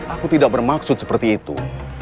aku tidak bermaksud seperti itu